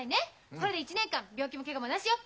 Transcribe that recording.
これで１年間病気もケガもなしよ。